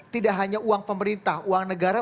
tidak hanya uang pemerintah uang negara